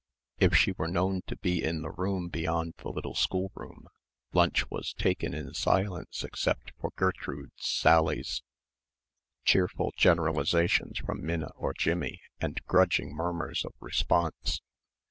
If she were known to be in the room beyond the little schoolroom, lunch was taken in silence except for Gertrude's sallies, cheerful generalisations from Minna or Jimmie, and grudging murmurs of response.